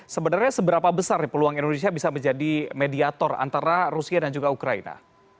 sebenarnya seberapa besar peluang indonesia bisa menjadi mediator antara rusia dan juga ukraina